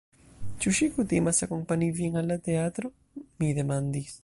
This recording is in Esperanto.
Ĉu ŝi kutimas akompani vin al la teatro? mi demandis.